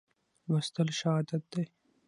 لوستل ښه عادت دی.